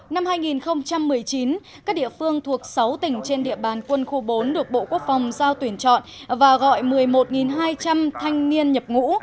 năm hai nghìn một mươi chín các địa phương thuộc sáu tỉnh trên địa bàn quân khu bốn được bộ quốc phòng giao tuyển chọn và gọi một mươi một hai trăm linh thanh niên nhập ngũ